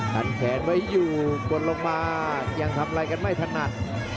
ดันแขนไว้อยู่บนลงมายังทำอะไรกันไม่ถนัด